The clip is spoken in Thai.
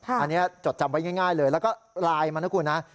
อันนี้จดจำไว้ง่ายเลยแล้วก็ลายมานะครับคุณ